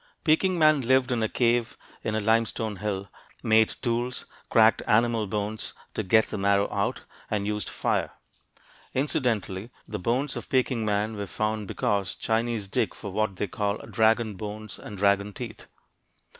Peking man lived in a cave in a limestone hill, made tools, cracked animal bones to get the marrow out, and used fire. Incidentally, the bones of Peking man were found because Chinese dig for what they call "dragon bones" and "dragon teeth."